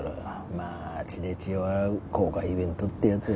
まあ血で血を洗う公開イベントってやつよ。